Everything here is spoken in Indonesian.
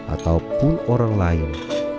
ataupun orang lain